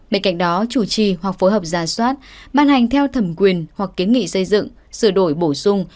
bên cạnh đó chủ trì hoặc phối hợp ra soát ban hành theo thẩm quyền hoặc kiến nghị xây dựng sửa đổi bổ sung